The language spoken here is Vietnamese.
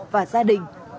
và gia đình